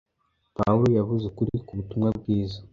Pawulo yavuze ukuri k’ubutumwa bwiza.